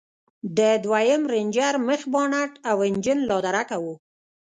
د دويم رېنجر مخ بانټ او انجن لادرکه و.